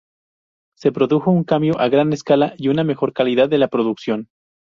Se produjo un cambio a gran escala y una mejor calidad de la producción.